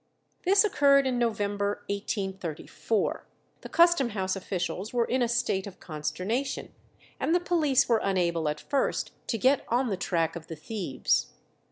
This occurred in November 1834. The Custom House officials were in a state of consternation, and the police were unable at first to get on the track of the thieves.